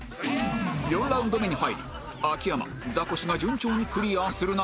４ラウンド目に入り秋山ザコシが順調にクリアする中